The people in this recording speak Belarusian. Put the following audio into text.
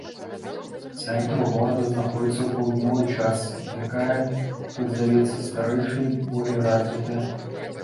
Цэнтр горада знаходзіцца ў паўднёвай частцы якая, хоць завецца старэйшай, болей развітая.